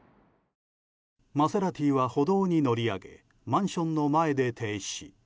マセラティは歩道に乗り上げマンションの前で停止。